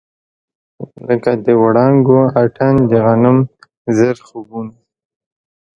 لکه د وړانګو اتڼ، د غنم ژړ خوبونه